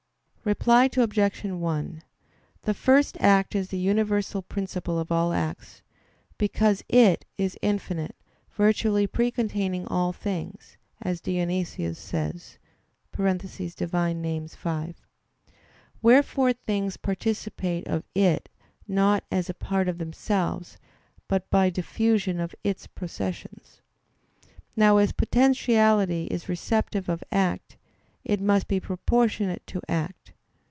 Reply Obj. 1: The First Act is the universal principle of all acts; because It is infinite, virtually "precontaining all things," as Dionysius says (Div. Nom. v). Wherefore things participate of It not as a part of themselves, but by diffusion of Its processions. Now as potentiality is receptive of act, it must be proportionate to act.